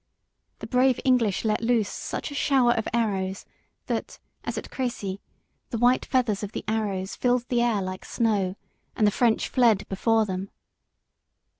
The brave English let loose such a shower of arrows that, as at Creçy, the white feathers of the arrows filled the air like snow, and the French fled before them.